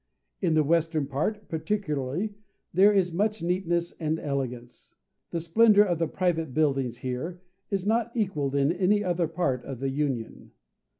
In the western part, particularly, there is much neatness and elegance. The splendour of the private buildings here, is not equalled in any other part of the Union.